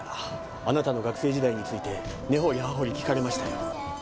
あなたの学生時代について根掘り葉掘り聞かれましたよ